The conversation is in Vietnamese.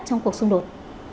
trong cuộc xung đột